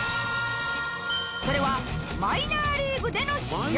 それはマイナーリーグでの試合